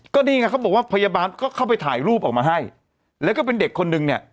ก็นี่ไงเขาบอกว่าพยาบาลก็เข้าไปถ่ายรูปออกมาให้แล้วก็เป็นเด็กคนนึงเนี่ย